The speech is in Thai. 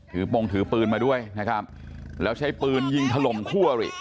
ถือโปรงถือปืนมาด้วยนะครับแล้วใช้ปืนยิงถล่มคั่วเลย